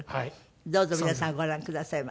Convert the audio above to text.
どうぞ皆さんご覧くださいませ。